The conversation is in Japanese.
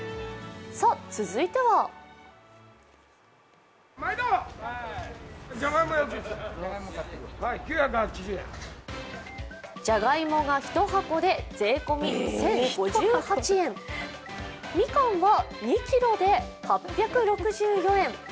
続いてはじゃがいもが１箱で税込み１０５８円、みかんは２ｋｇで８６４円。